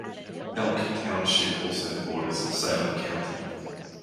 Elk Township also borders Salem County.